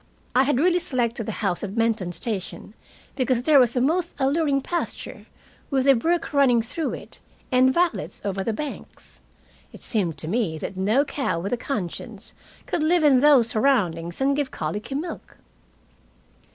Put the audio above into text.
I had really selected the house at Benton Station because there was a most alluring pasture, with a brook running through it, and violets over the banks. It seemed to me that no cow with a conscience could live in those surroundings and give colicky milk.